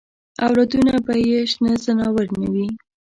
اولادونه به یې شنه ځناور نه وي.